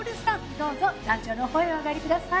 どうぞ壇上のほうへお上がりください。